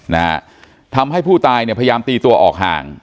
นะฮะทำให้ผู้ตายเนี่ยพยายามตีตัวออกห่าง